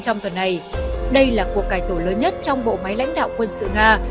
trong tuần này đây là cuộc cải tổ lớn nhất trong bộ máy lãnh đạo quân sự nga